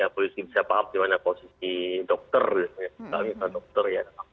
polisi bisa paham posisi dokter